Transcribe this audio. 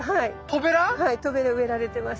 トベラ植えられてます。